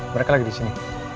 mereka lagi disini